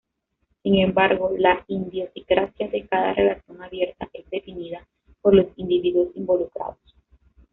Sin embargo, la idiosincrasia de cada relación abierta es definida por los individuos involucrados.